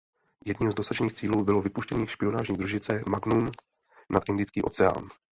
Jedním z dosažených cílů bylo vypuštění špionážní družice Magnum nad Indický oceán.